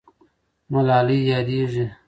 ملالۍ یادېږي.